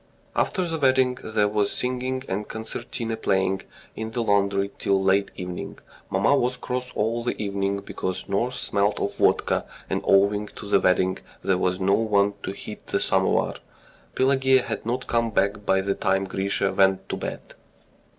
After the wedding there was singing and concertina playing in the laundry till late evening. Mamma was cross all the evening because nurse smelt of vodka, and owing to the wedding there was no one to heat the samovar. Pelageya had not come back by the time Grisha went to bed.